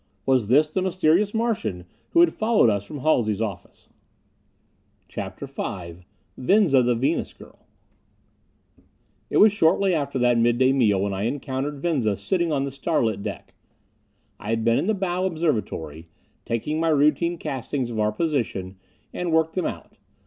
Was this the mysterious Martian who had followed us from Halsey's office? CHAPTER V Venza the Venus Girl It was shortly after that mid day meal when I encountered Venza sitting on the starlit deck. I had been in the bow observatory; taken my routine castings of our position and worked them out.